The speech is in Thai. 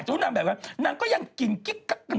ไม่รู้นางแบบกันก็ยังกิ๊กกันต่อไป